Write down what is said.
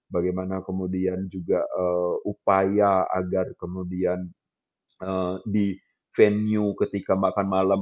bagaimana kemudian juga upaya agar kemudian di venue ketika makan malam